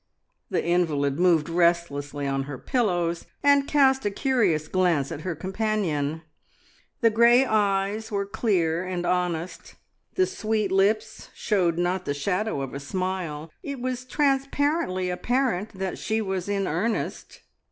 The invalid moved restlessly on her pillows, and cast a curious glance at her companion. The grey eyes were clear and honest, the sweet lips showed not the shadow of a smile; it was transparently apparent that she was in earnest.